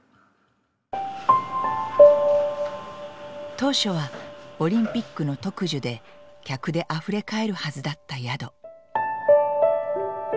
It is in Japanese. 当初はオリンピックの特需で客であふれ返るはずだった宿。